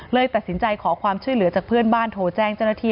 ตัดสินใจขอความช่วยเหลือจากเพื่อนบ้านโทรแจ้งเจ้าหน้าที่